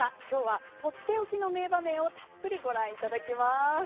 今日は取って置きの名場面をたっぷりご覧いただきます。